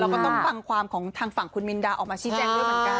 ก็ต้องฟังความของทางฝั่งคุณมินดาออกมาชี้แจงด้วยเหมือนกัน